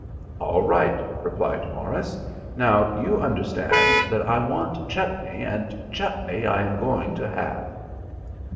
"All right," replied Morris. "Now you understand that I want chutney, and chutney I am going to have."